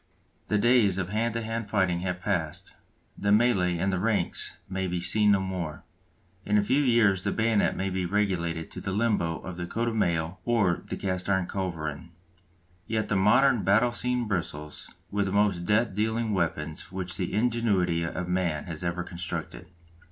The days of hand to hand fighting have passed, the mêlée in the ranks may be seen no more; in a few years the bayonet may be relegated to the limbo of the coat of mail or the cast iron culverin. Yet the modern battle scene bristles with the most death dealing weapons which the ingenuity of man has ever constructed.